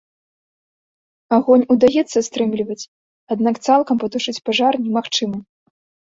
Агонь удаецца стрымліваць, аднак цалкам патушыць пажар немагчыма.